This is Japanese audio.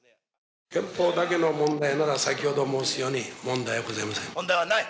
憲法だけの問題なら先ほど申すように、問題はございません。